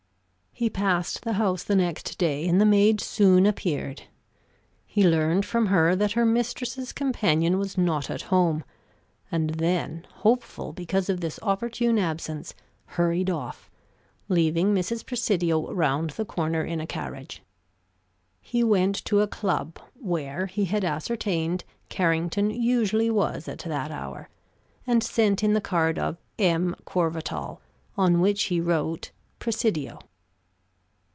He passed the house the next day, and the maid soon appeared. He learned from her that her mistress's companion was not at home; and then, hopeful because of this opportune absence, hurried off, leaving Mrs. Presidio round the corner in a carriage. He went to a club where, he had ascertained, Carrington usually was at that hour, and sent in the card of "M. Courvatal," on which he wrote, "Presidio."